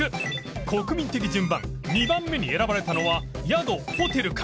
国民的順番２番目に選ばれたのは宿・ホテルか？